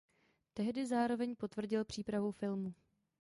Tehdy zároveň potvrdil přípravu filmu.